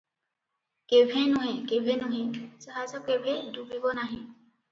କେଭେଁ ନୁହେ - କେଭେଁ ନୁହେ - ଜାହାଜ କେଭେଁ ଡୁବିବ ନାହିଁ ।